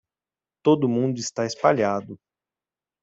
Todo mundo está espalhado